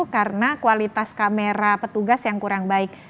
karena kualitas kamera petugas yang kurang baik